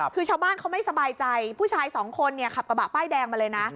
คือชาวบ้านเขาไม่สบายใจผู้ชายสองคนเนี่ยขับกระบะป้ายแดงมาเลยนะ